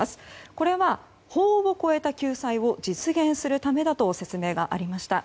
これは法を超えた救済を実現するためだと説明がありました。